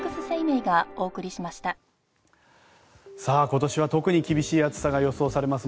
今年は特に厳しい暑さが予想されます。